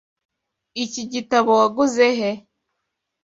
Iki gitabo waguze he?